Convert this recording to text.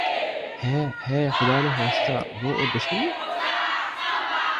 ھے ھے! خدا نخواستہ وہ اور دشمنی